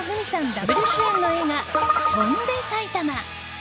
ダブル主演の映画「翔んで埼玉」。